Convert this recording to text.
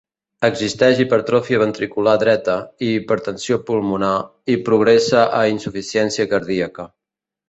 Existeix hipertròfia ventricular dreta i hipertensió pulmonar i progressa a insuficiència cardíaca.